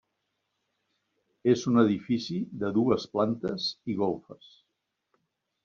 És un edifici de dues plantes i golfes.